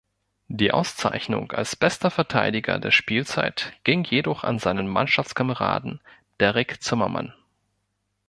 Die Auszeichnung als bester Verteidiger der Spielzeit ging jedoch an seinen Mannschaftskameraden Derrick Zimmerman.